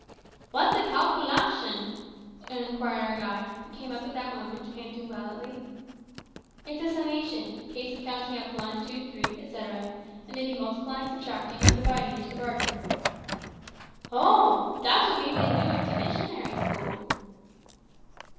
"What's a calcoolashun?" inquired our guide, who came up at that moment, panting violently. "It's a summation, case of counting up one, two, three, etcetera and may be multiplying, subtracting, and dividing into the bargain." "Ho! dat's what me been do at de missionary school."